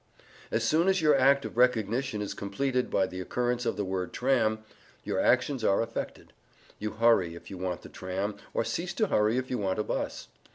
As soon as your act of recognition is completed by the occurrence of the word "tram," your actions are affected: you hurry if you want the tram, or cease to hurry if you want a bus.